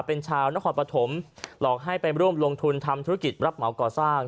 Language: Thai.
เป็นชาวนครปฐมหลอกให้ไปร่วมลงทุนทำธุรกิจรับเหมาก่อสร้าง